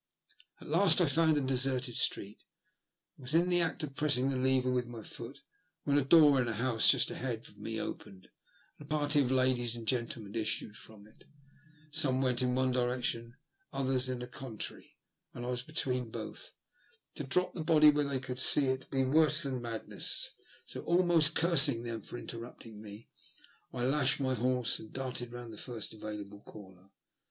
At last I found a deserted street, and was in the act of pressing the lever with my foot when a door in a house just ahead of me opened, and a party of ladies and gentlemen issued from it. Some went in one direction, others in a contrary, and I was between both. To drop the body where they could see it would be worse than madness, so, almost cursing them for interrupting me, I lashed my horse and darted round the first available corner.